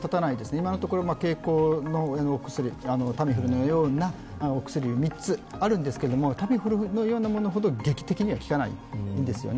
今のところ、経口、タミフルのようなお薬が３つあるんですが、タミフルほど劇的に効かないんですよね。